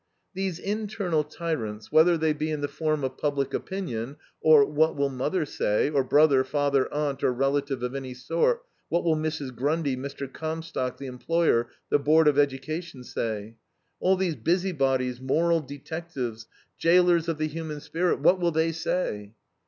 These internal tyrants, whether they be in the form of public opinion or what will mother say, or brother, father, aunt, or relative of any sort; what will Mrs. Grundy, Mr. Comstock, the employer, the Board of Education say? All these busybodies, moral detectives, jailers of the human spirit, what will they say?